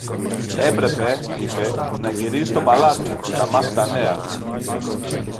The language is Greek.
Έπρεπε, είπε, να γυρίσει στο παλάτι, να μάθει τα νέα.